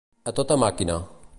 A tota màquina.